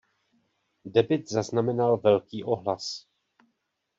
Debut zaznamenal velký ohlas.